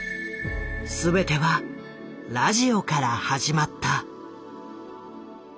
全てはラジオから始まった。